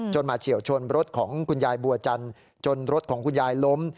มาเฉียวชนรถของคุณยายบัวจันทร์จนรถของคุณยายล้ม